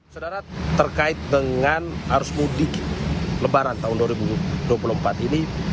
saudara terkait dengan arus mudik lebaran tahun dua ribu dua puluh empat ini